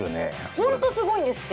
本当すごいんですって！